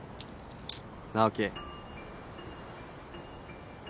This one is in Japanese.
直樹。